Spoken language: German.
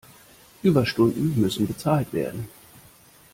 Überstunden müssen bezahlt werden.